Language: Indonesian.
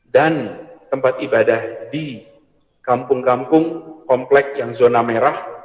dan tempat ibadah di kampung kampung komplek yang zona merah